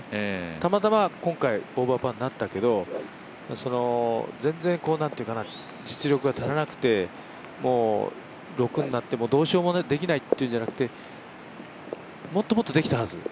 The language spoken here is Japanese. たまたま今回オーバーパーになったけど全然、実力が足らなくて６になってどうしようもできないというんじゃなくて、もっともっとできたはず